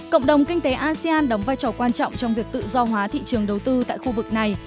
cộng đồng kinh tế asean đóng vai trò quan trọng trong việc tự do hóa thị trường đầu tư tại khu vực này